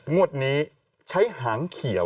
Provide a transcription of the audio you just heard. งวดนี้ใช้หางเขียว